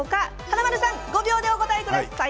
華丸さん５秒でお答えください。